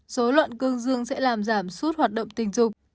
dối loạn cương dương sẽ làm giảm suốt hoạt động tình dục